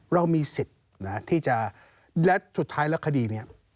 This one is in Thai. เรามีสิทธิ์ที่จะและสุดท้ายแล้วคดีนี้